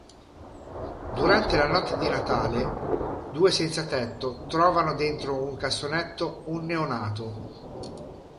Durante la notte di Natale due senzatetto trovano dentro un cassonetto un neonato.